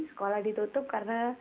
sekolah ditutup karena